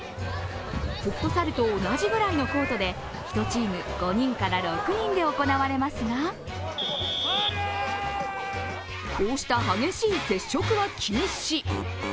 フットサルと同じぐらいのコートで１チーム５６人で行われますが、こうした激しい接触は禁止。